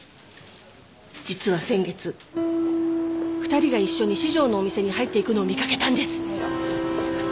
実は先月２人が一緒に四条のお店に入っていくのを見掛けたんです。